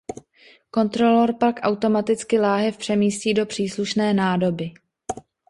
Kontrolor pak automaticky láhev přemístí do příslušné nádoby.